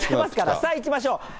さあいきましょう。